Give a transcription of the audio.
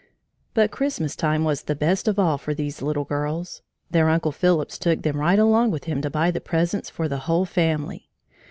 But Christmas time was the best of all for these little girls. Their uncle Phillips took them right along with him to buy the presents for the whole family.